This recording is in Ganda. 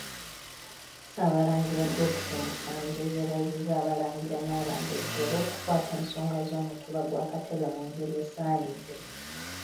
Ssaabalangira Godfrey Musanje, yeebazizza Abalangira n'Abambejja olw'okukwata ensonga z'omutuba gwa Katebe mu ngeri esaanidde.